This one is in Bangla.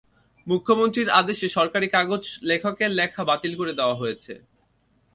মুখ্যমন্ত্রীর আদেশে সরকারি কাগজ লেখকের লেখা বাতিল করে দেওয়া হয়েছে।